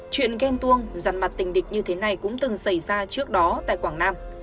chuyện ghen tuông giàn mặt tình địch như thế này cũng từng xảy ra trước đó tại quảng nam